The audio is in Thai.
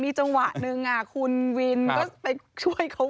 จังหวะหนึ่งคุณวินก็ไปช่วยเขา